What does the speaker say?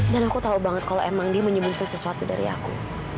dan aku tahu banget kalau emang dia menyembunyikan sesuatu dari aku